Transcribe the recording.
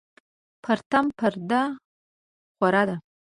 د پرتم پرده خوره ده